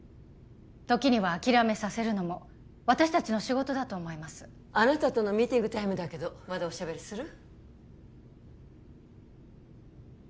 時には諦めさせるのも私達の仕事だと思いますあなたとのミーティングタイムだけどまだおしゃべりする？